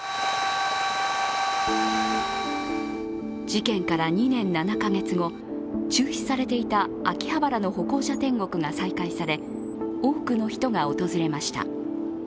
事件から２年７カ月後、中止されていた秋葉原の歩行者天国が再開され、多くの人が訪れました。